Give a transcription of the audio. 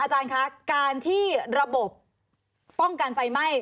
อาจารย์คะการที่ระบบป้องกันไฟไหม้